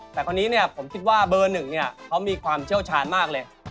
แต่คนนี้เนี่ยผมคิดว่าเบอร์หนึ่งเนี่ยเขามีความเชี่ยวชาญมากเลย